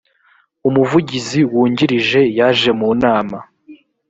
umuvugizi wungirije yajemunama.